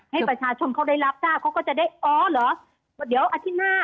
ให้ประชาชนเขาได้รับทราบเขาก็จะได้อ๋อเหรอเดี๋ยวอาทิตย์หน้า